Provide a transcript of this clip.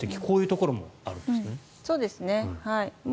こういうところもあるんですね。